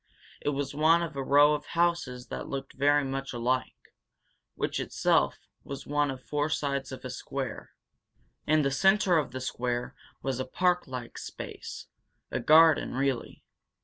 It was one of a row of houses that looked very much alike, which, itself, was one of four sides of a square. In the centre of the square was a park like space, a garden, really.